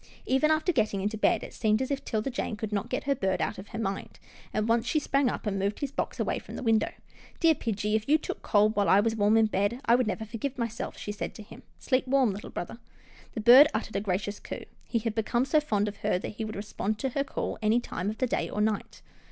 Even after getting into bed, it seemed as if 'Tilda Jane could not get her bird out of her mind, and once she sprang up and moved his box away from the window. " Dear pidgie, if you took cold while I was warm in bed, I would never forgive myself," she said to him. " Sleep warm, little brother." The bird uttered a gracious coo. He had become so fond of her that he would respond to her call any time of day or night.